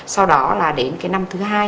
sau đó là đến cái năm thứ hai